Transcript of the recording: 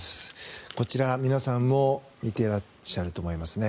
こちら、皆さんも見ていらっしゃると思いますね。